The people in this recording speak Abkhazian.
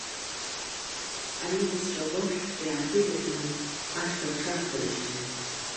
Анемеццәа агәашәхәыҷы иааҭеибаҳәаны, ашҭа рҽааҭарыжьхьан.